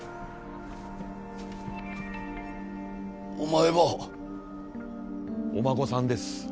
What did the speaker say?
お前は！お孫さんです。